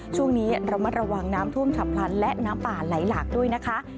ช่วงนี้ระมัดระวังน้ำท่วมฉับพลันและน้ำป่าไหลหลากด้วยนะคะ